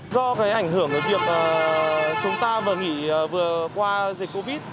do ảnh hưởng việc chúng ta nghỉ vừa qua dịch covid